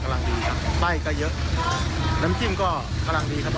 กำลังดีครับไต้ก็เยอะน้ำจิ้มก็กำลังดีครับ